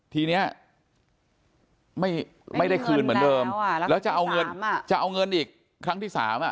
ทีนี้ไม่ได้คืนเหมือนเดิมแล้วจะเอาเงินจะเอาเงินอีกครั้งที่สามอ่ะ